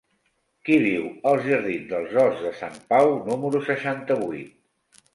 Qui viu als jardins dels Horts de Sant Pau número seixanta-vuit?